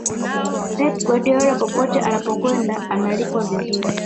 pep guardiola popote anapokwenda analipwa vizuri